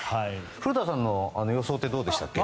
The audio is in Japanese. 古田さんの予想はどうでしたっけ？